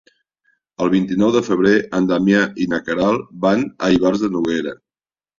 El vint-i-nou de febrer en Damià i na Queralt van a Ivars de Noguera.